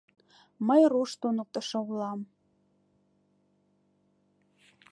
Мый руш туныктышо улам.